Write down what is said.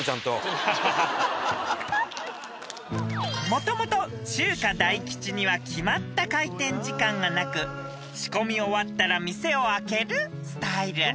［もともと中華大吉には決まった開店時間がなく仕込み終わったら店を開けるスタイル］